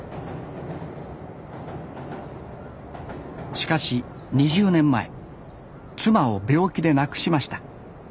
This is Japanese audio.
しかし２０年前妻を病気で亡くしました。